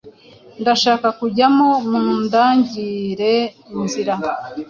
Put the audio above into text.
ndashaka kujyamo mundangire inzira